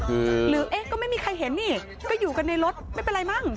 หรือเอ๊ะก็ไม่มีใครเห็นนี่ก็อยู่กันในรถไม่เป็นไรมั้ง